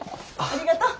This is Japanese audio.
ありがとう。